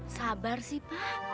sabar sih pak